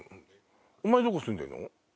お前どこ住んでるの？